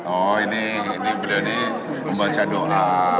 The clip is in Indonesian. oh ini beliau ini membaca doa